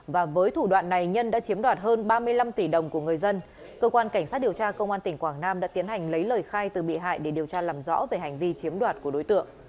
và với thủ đoạn này nhân đã chiếm đoạt hơn ba mươi năm tỷ đồng của người dân cơ quan cảnh sát điều tra công an tỉnh quảng nam đã tiến hành lấy lời khai từ bị hại để điều tra làm rõ về hành vi chiếm đoạt của đối tượng